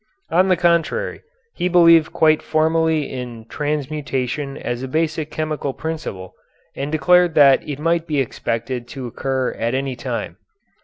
On the contrary, he believed quite formally in transmutation as a basic chemical principle, and declared that it might be expected to occur at any time.